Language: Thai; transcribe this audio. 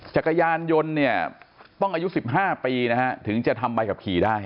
จักรยานยนต์เนี่ยต้องอายุ๑๕ปีนะฮะถึงจะทำใบขับขี่ได้